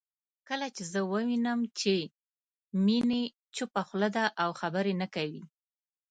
کله چې زه ووينم چې میني چپه خوله ده او خبرې نه کوي